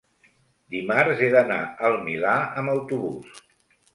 dimarts he d'anar al Milà amb autobús.